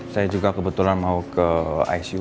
saya juga kebetulan mau ke icu